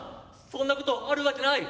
そんなことあるわけない。